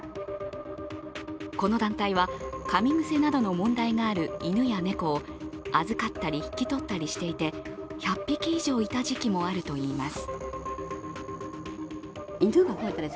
この団体はかみ癖などの問題がある犬や猫を預かったり引き取ったりしていて１００匹以上いた時期もあるといいます。